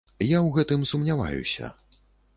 Я ў гэтым сумняваюся.